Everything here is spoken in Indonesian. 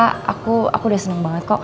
lalu bukannya kalau ga ngancam